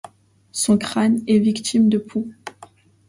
Son crâne est victime de poux.